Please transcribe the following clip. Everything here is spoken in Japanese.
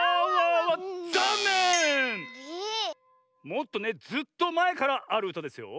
もっとねずっとまえからあるうたですよ。